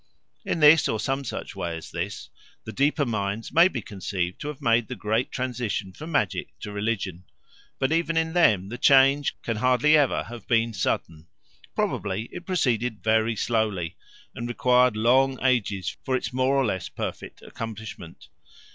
In this, or some such way as this, the deeper minds may be conceived to have made the great transition from magic to religion. But even in them the change can hardly ever have been sudden; probably it proceeded very slowly, and required long ages for its more or less perfect accomplishment.